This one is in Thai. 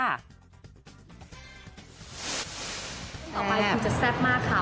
ต่อไปคือจะแซ่บมากค่ะ